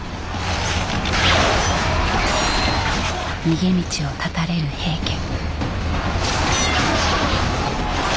逃げ道を断たれる平家。